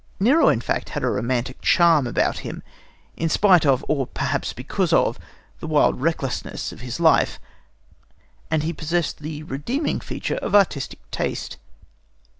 Nero, in fact, had a romantic charm about him, in spite of, or perhaps because of, the wild recklessness of his life; and he possessed the redeeming feature of artistic taste.